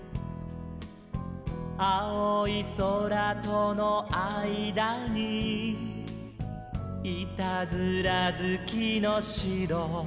「あおいそらとのあいだにいたずらずきのしろ」